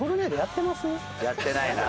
やってないな。